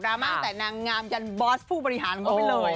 ดราม่ากลังแต่นางงามยันบอสผู้บริหารก็ไม่เลย